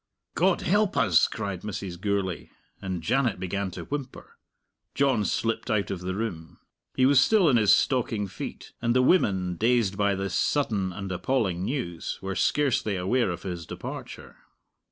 "God help us!" cried Mrs. Gourlay, and Janet began to whimper. John slipped out of the room. He was still in his stocking feet, and the women, dazed by this sudden and appalling news, were scarcely aware of his departure.